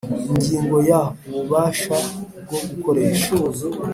Ingingo ya ububasha bwo gukoresha